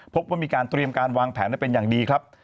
พบว่ามีการเตรียมการวางแผนได้เป็นอย่างดีครับ